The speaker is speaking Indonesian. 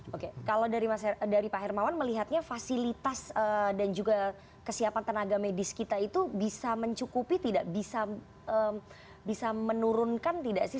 oke kalau dari pak hermawan melihatnya fasilitas dan juga kesiapan tenaga medis kita itu bisa mencukupi tidak bisa menurunkan tidak sih